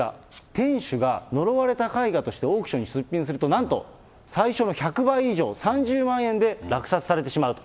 店主が呪われた絵画としてオークションに出品すると、なんと、最初の１００倍以上、３０万円で落札されてしまうと。